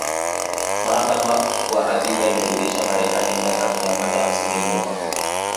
Mahakama kwa hakika imeirudisha Marekani miaka mia moja hamsini nyuma